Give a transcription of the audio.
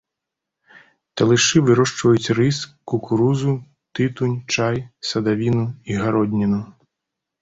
Талышы вырошчваюць рыс, кукурузу, тытунь, чай, садавіну і гародніну.